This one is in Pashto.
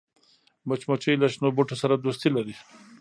مچمچۍ له شنو بوټو سره دوستي لري